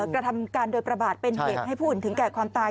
กระทำการโดยประมาทเป็นเหตุให้ผู้อื่นถึงแก่ความตาย